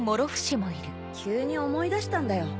急に思い出したんだよ。